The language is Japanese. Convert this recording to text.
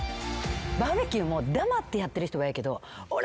バーベキューも黙ってやってる人はええけどおら